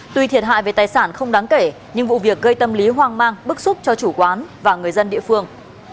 tuy thiệt hại về tài sản không đáng kể nhưng vụ việc gây tâm lý hoang mang bức xúc cho chủ quán và người dân địa phương